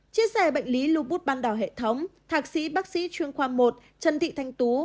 chia sẻ bệnh lý lưu bút ban đảo hệ thống thạc sĩ bác sĩ chuyên khoa một trần thị thanh tú